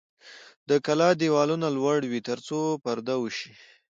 د کلا دیوالونه لوړ وي ترڅو پرده وشي.